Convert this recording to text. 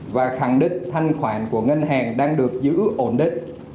và khẳng định thanh khoản của ngân hàng đang được giữ ổn định